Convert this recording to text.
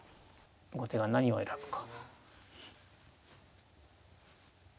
後手は何を選ぶか。